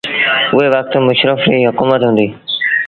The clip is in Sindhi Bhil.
اُئي وکت مشرڦ ريٚ هڪومت هُݩديٚ۔